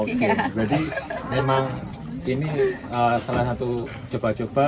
oke jadi memang ini salah satu coba coba